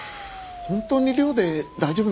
本当に寮で大丈夫なんですか？